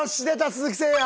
鈴木誠也。